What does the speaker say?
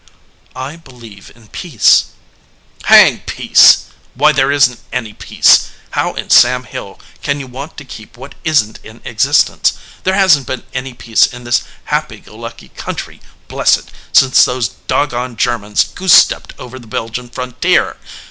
"I believe in peace." "Hang peace! Why, there isn t any peace! How in Sam Hill can you want to keep what isn t in existence? There hasn t been any peace in this happy go lucky country, bless it, since those dog goned Germans goose stepped over the Belgian frontier!